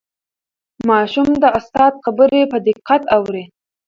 ماشوم د استاد خبرې په دقت اوري